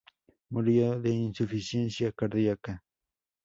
Murió de insuficiencia cardiaca.